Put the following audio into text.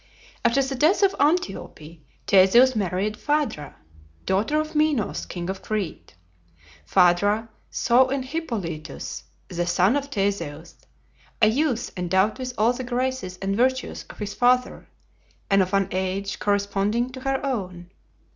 After the death of Antiope, Theseus married Phaedra, daughter of Minos, king of Crete. Phaedra saw in Hippolytus, the son of Theseus, a youth endowed with all the graces and virtues of his father, and of an age corresponding to her own.